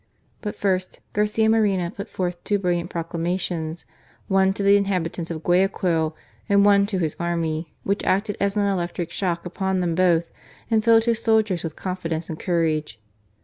But first Garcia Moreno put forth two brilliant proclamations : one to the inhabitants of Guayaquil, and one to his army, which acted as an electric shock upon them both, and filled his soldiers with confidence and courage.